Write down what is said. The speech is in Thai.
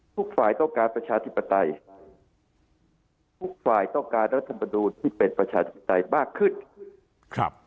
ทุกฝ่ายต้องการประชาธิปไตยทุกฝ่ายต้องการรัฐมนูลที่เป็นประชาธิปไตยมากขึ้นครับ